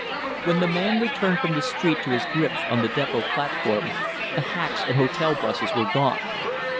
When the man returned from the street to his grips on the depot platform, the hacks and hotel buses were gone.